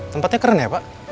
tempatnya keren ya pak